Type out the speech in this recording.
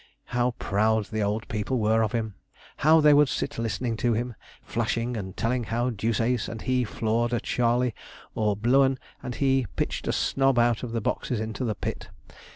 How proud the old people were of him! How they would sit listening to him, flashing, and telling how Deuceace and he floored a Charley, or Blueun and he pitched a snob out of the boxes into the pit.